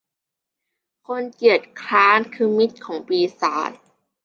คนเกียจคร้านคือมิตรของปีศาจ